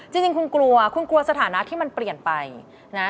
จริงคุณกลัวคุณกลัวสถานะที่มันเปลี่ยนไปนะ